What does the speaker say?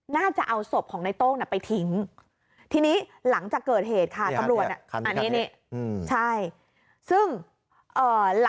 น่าจะเอาศพของในโต้งไปทิ้งทีนี้หลังจากเกิดเหตุค่ะตำรวจ